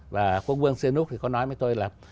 và quốc vương siên úc thì có nói với tôi là